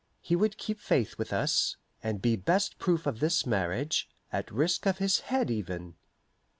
He would keep faith with us, and be best proof of this marriage, at risk of his head even.